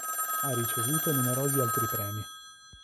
Ha ricevuto numerosi altri premi.